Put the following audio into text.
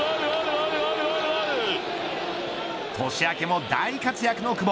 年明けも大活躍の久保。